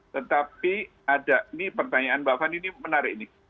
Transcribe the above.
tetapi ada ini pertanyaan mbak fani ini menarik nih